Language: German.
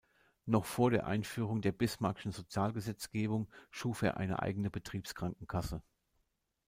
Noch vor der Einführung der Bismarckschen Sozialgesetzgebung schuf er eine eigene Betriebskrankenkasse.